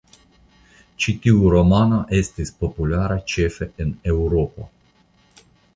Ĉi tiu romano estis populara ĉefe en Eŭropo.